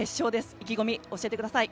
意気込みを教えてください。